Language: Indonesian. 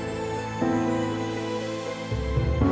aku pada saat puasa taat keadaan